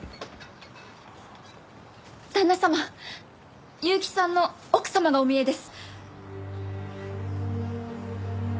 旦那様結城さんの奥様がお見えです。